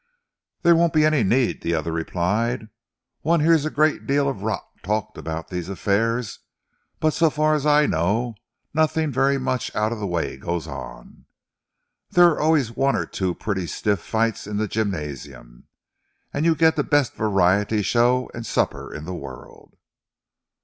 "There won't be any need," the other replied. "One hears a great deal of rot talked about these affairs, but so far as I know, nothing very much out of the way goes on. There are always one or two pretty stiff fights in the gymnasium, and you get the best variety show and supper in the world."